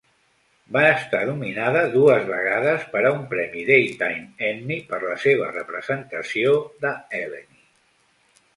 Va estar nominada dues vegades per a un premi Daytime Emmy per la seva representació de Eleni.